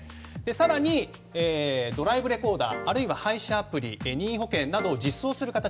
更にドライブレコーダーあるいは配車アプリ任意保険などを実装する形。